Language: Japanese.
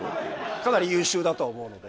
かなり優秀だとは思うので。